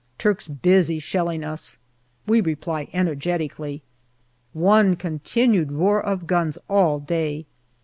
Turks busy shelling us. We reply energetically. One continued roar of guns all day.